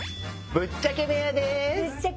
ぶっちゃけ部屋よ。